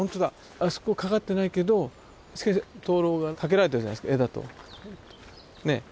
あそこかかってないけど灯籠がかけられてるじゃないですか絵だと。ね。